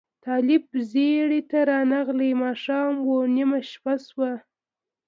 طالب ځیري ته رانغلې ماښام و نیمه شپه شوه